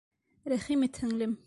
Рәхим ит, һеңлем!